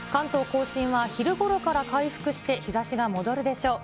甲信は昼頃から回復して日ざしが戻るでしょう。